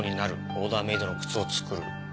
オーダーメイドの靴を作る。